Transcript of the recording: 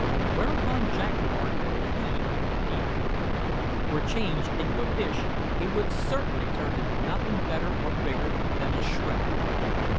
Whereupon Jack remarked that if he (Peterkin) were changed into a fish, he would certainly turn into nothing better or bigger than a shrimp.